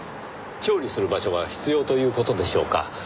調理する場所が必要という事でしょうか？